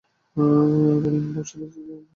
Leyland অবশ্য পরিসংখ্যানগতভাবে সফল ছিলেন না।